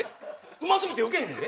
うますぎてウケへんのやで。